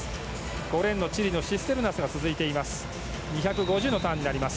５レーンのチリのシステルナスが続いています。